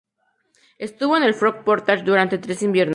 Estuvo en el Frog Portage durante tres inviernos.